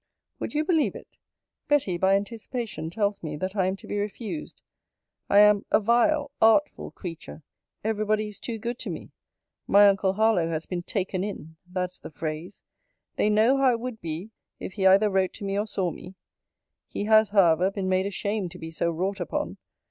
Would you believe it? Betty, by anticipation, tells me, that I am to be refused. I am 'a vile, artful creature. Every body is too good to me. My uncle Harlowe has been taken in, that's the phrase. They know how it would be, if he either wrote to me, or saw me. He has, however, been made ashamed to be so wrought upon.